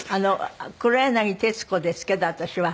黒柳徹子ですけど私は。